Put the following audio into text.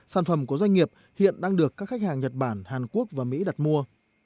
sản phẩm của doanh nghiệp hiện đang được các khách hàng nhật bản hàn quốc và mỹ đặt mua